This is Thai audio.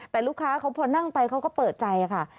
แต่ลูกค้าเขาพอนั่งไปเขาก็เปิดใจค่ะ